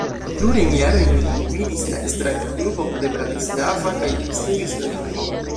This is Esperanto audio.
Plurajn jarojn li gvidis la Esperanto-klubon de Bratislava kaj instruis la lingvon.